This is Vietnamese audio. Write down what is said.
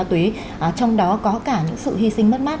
tuy trong đó có cả những sự hy sinh mất mát